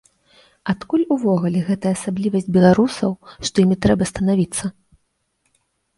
Адкуль увогуле гэтая асаблівасць беларусаў, што імі трэба станавіцца?